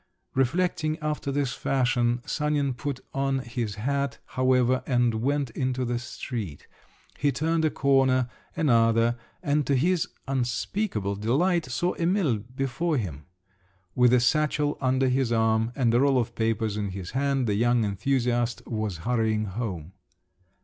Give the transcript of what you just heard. Reflecting after this fashion, Sanin put on his hat, however, and went into the street; he turned a corner, another, and to his unspeakable delight, saw Emil before him. With a satchel under his arm, and a roll of papers in his hand, the young enthusiast was hurrying home.